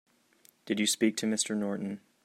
Did you speak to Mr. Norton?